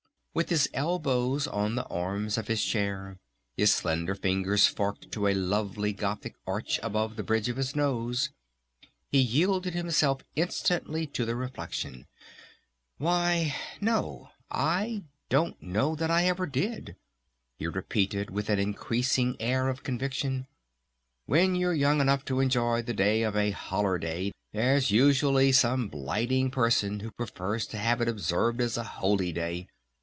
With his elbows on the arms of his chair, his slender fingers forked to a lovely Gothic arch above the bridge of his nose, he yielded himself instantly to the reflection. "Why ... no, ... I don't know that I ever did," he repeated with an increasing air of conviction.... "When you're young enough to enjoy the day as a 'holler' day there's usually some blighting person who prefers to have it observed as a holy day....